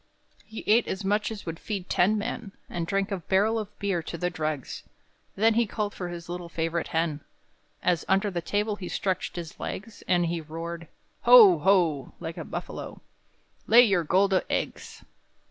He ate as much as would feed ten men, And drank a barrel of beer to the dregs; Then he called for his little favorite hen, As under the table he stretched his legs, And he roared "Ho! ho!" like a buffalo "Lay your gold eggs!"